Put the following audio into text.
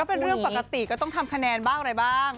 เป็นเรื่องปกติก็ต้องทำคะแนนบ้างอะไรบ้าง